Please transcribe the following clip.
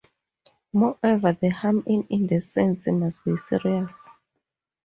Moreover, the harm in indecency must be serious.